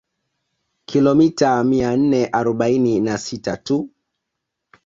Kilomita mia nne arobaini na sita tu